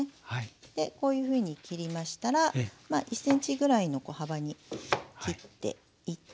でこういうふうに切りましたら１ｃｍぐらいの幅に切っていって。